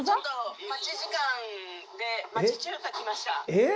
えっ⁉